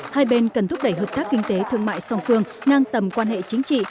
hai bên cần thúc đẩy hợp tác kinh tế thương mại song phương ngang tầm quan hệ chính trị